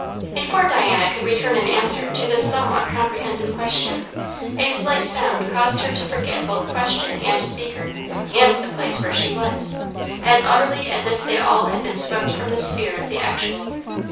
Before Diana could return an answer to this somewhat comprehensive question, a slight sound caused her to forget both question and speaker and the place where she was, as utterly as if they all had been swept from the sphere of the actual.